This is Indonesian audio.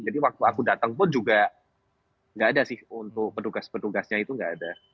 jadi waktu aku datang pun juga enggak ada sih untuk petugas petugasnya itu enggak ada